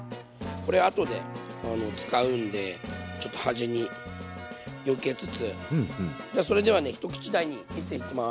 これ後で使うんでちょっと端によけつつそれではね一口大に切っていきます。